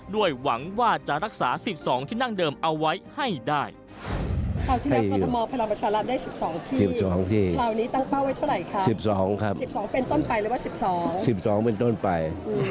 หวังว่าจะรักษา๑๒ที่นั่งเดิมเอาไว้ให้ได้๑๒ทีม